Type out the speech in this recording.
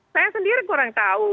saya sendiri kurang tahu